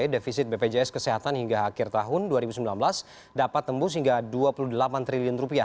defisit bpjs kesehatan hingga akhir tahun dua ribu sembilan belas dapat tembus hingga rp dua puluh delapan triliun